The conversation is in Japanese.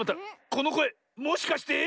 このこえもしかして。